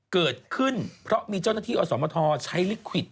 เกิดขึ้นเพราะมีเจ้าหน้าที่อสมทใช้ลิขวิต